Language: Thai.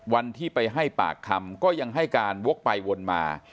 วันที่ไปให้ปากคำก็ยังให้การวกไปวนมา